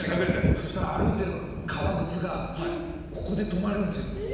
そしたら歩いてる革靴がここで止まるんですよ。